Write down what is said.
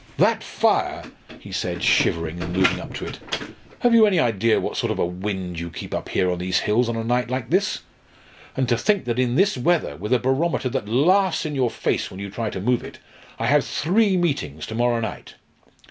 "That fire!" he said, shivering, and moving up to it. "Have you any idea what sort of a wind you keep up here on these hills on a night like this? And to think that in this weather, with a barometer that laughs in your face when you try to move it, I have three meetings to morrow night!"